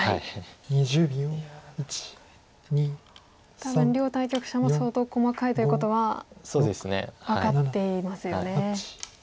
多分両対局者も相当細かいということは分かっていますよね。